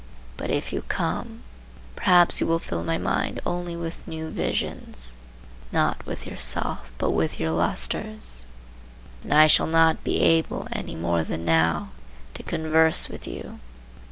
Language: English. But if you come, perhaps you will fill my mind only with new visions; not with yourself but with your lustres, and I shall not be able any more than now to converse with you.